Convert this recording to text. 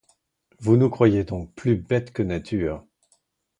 Vous nous croyez donc plus bêtes que nature!